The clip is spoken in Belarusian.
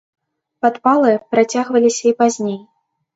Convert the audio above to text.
Падпалы працягваліся і пазней.